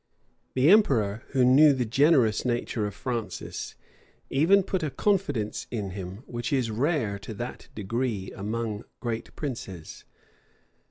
The emperor, who knew the generous nature of Francis, even put a confidence in him which is rare to that degree among great princes.